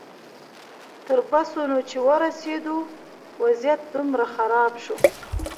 تر بسونو چې ورسېدو وضعیت دومره خراب شو.